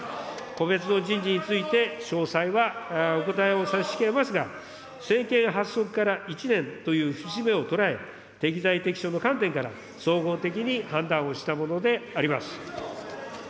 個別の人事について、詳細はお答えを差し控えますが、政権発足から１年という節目を捉え、適材適所の観点から総合的に判断をしたものであります。